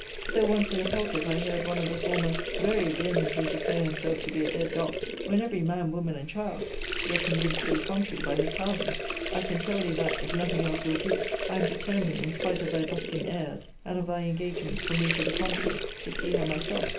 So once, in a pulpit, I heard one of the former very vehemently declare himself to be a dead dog; when every man, woman, and child, were convinced to the contrary by his howling. I can tell thee that, if nothing else will do, I am determined, in spite of thy buskin airs, and of thy engagements for me to the contrary, to see her myself.